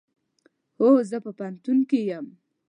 هو، زه په پوهنتون کې یم